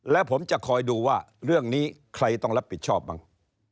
แล้วผมจะคอยดูว่าเรื่องนี้ใครต้องรับผิดชอบบ้าง